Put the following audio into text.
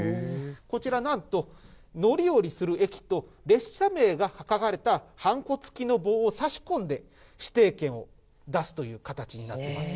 こちらなんと、乗り降りする駅と列車名が書かれた、はんこ付きの棒を差し込んで、指定券を出すという形になってます。